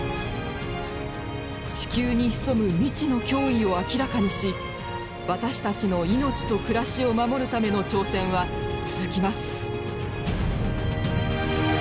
地球に潜む未知の脅威を明らかにし私たちの命と暮らしを守るための挑戦は続きます。